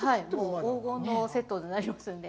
黄金のセットとなりますんで。